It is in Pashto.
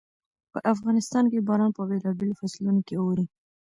په افغانستان کې باران په بېلابېلو فصلونو کې اوري.